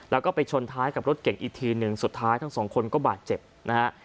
แล้วก็ไปชนท้ายกับรถเก่งอีกทีหนึ่งสุดท้ายทั้งสองคนก็บาดเจ็บนะฮะ